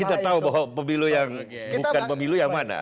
karena kita tahu bahwa pemilu yang bukan pemilu yang mana